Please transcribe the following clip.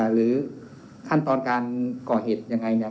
หรือขั้นตอนการก่อเหตุอย่างไร